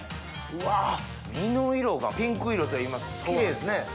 うわ身の色がピンク色といいますかキレイですね。